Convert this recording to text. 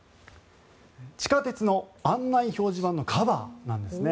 地下鉄の案内表示板のカバーなんですね。